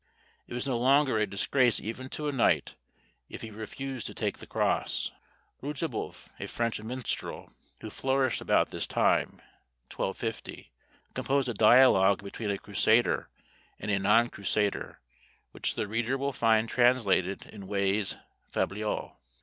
It was no longer a disgrace even to a knight if he refused to take the cross. Rutebeuf, a French minstrel, who flourished about this time (1250), composed a dialogue between a Crusader and a non Crusader, which the reader will find translated in Way's Fabliaux.